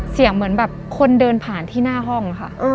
เสียงเหมือนแบบคนเดินผ่านที่หน้าห้องค่ะ